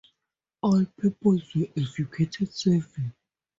All pupils were evacuated safely.